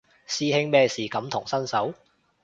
師兄咩事感同身受